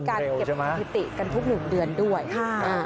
ก็มีการเก็บพิธีกันทุก๑เดือนด้วยค่ะ